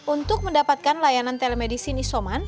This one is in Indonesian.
untuk mendapatkan layanan telemedicine isoman